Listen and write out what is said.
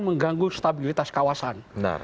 mengganggu stabilitas kawasan